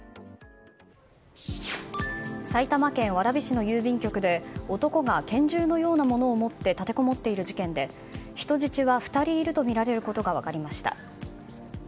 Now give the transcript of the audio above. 埼玉県蕨市の郵便局で男が拳銃のようなものを持って立てこもっている事件で人質が２人いるとみられることが分かりました。